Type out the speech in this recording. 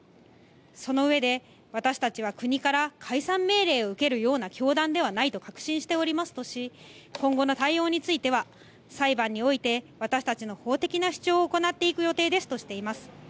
その上で、私たちは国から解散命令を受けるような教団ではないと確信しておりますとし、今後の対応については、裁判において私たちの法的な主張を行っていく予定ですとしています。